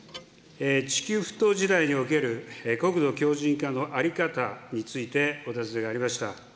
地球沸騰時代における、国土強じん化の在り方について、お尋ねがありました。